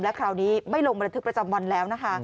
คราวนี้ไม่ลงบันทึกประจำวันแล้วนะคะ